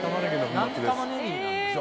何で玉ねぎなんですか？